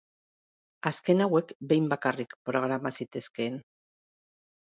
Azken hauek behin bakarrik programa zitezkeen.